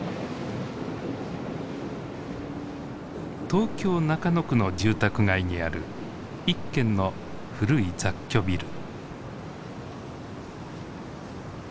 東京・中野区の住宅街にある一軒の古い雑居ビル。